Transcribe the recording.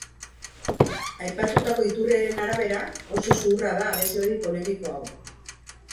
Aipatutako iturriaren arabera, oso zuhurra da abeslari polemiko hau.